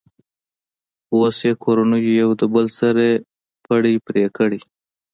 خو اوس یې کورنیو یو د بل سره پړی پرې کړی.